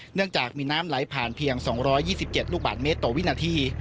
เนื่องจากมีน้ำไหลผ่านเพียง๒๒๗ลูกบาทเมตรต่อวินาที